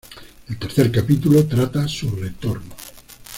El tercer capítulo trata su retorno.